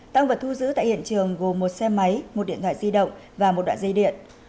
tăng vật thu giữ tại hiện trường gồm một xe máy một điện thoại di động và một đoạn dây điện